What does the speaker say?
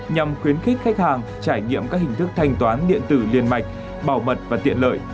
nhằm khuyến khích khách hàng trải nghiệm các hình thức thanh toán điện tử liên mạch bảo mật và tiện lợi